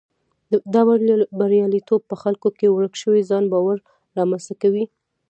دا بریالیتوب په خلکو کې ورک شوی ځان باور رامنځته کوي.